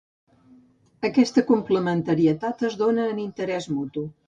Aquesta complementarietat es dóna en interès mutu.